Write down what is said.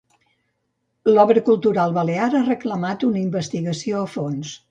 L'Obra Cultural Balear ha reclamat una investigació a fons.